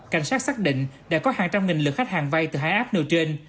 cảnh sát xác định đã có hàng trăm nghìn lượt khách hàng vai từ hai app nơi trên